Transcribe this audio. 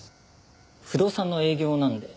不動産の営業なので。